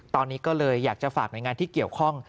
ตอนนี้ก็เลยอยากจะฝากหน่วยงานที่เกี่ยวข้อง